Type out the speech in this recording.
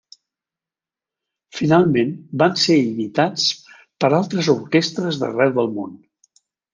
Finalment van ser imitats per altres orquestres d'arreu el món.